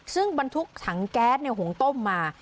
ซึ่งบรรทุกถังแก๊สหุงต้มมา